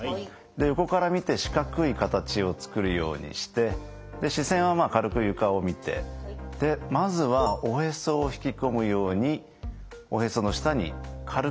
横から見て四角い形を作るようにして視線は軽く床を見てまずはおへそを引き込むようにおへその下に軽く力を入れます。